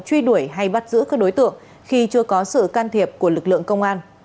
truy đuổi hay bắt giữ các đối tượng khi chưa có sự can thiệp của lực lượng công an